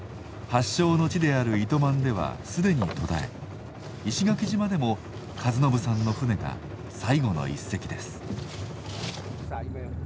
発祥の地である糸満では既に途絶え石垣島でも和伸さんの船が最後の１隻です。